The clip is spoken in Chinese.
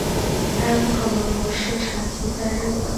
该物种的模式产地在日本。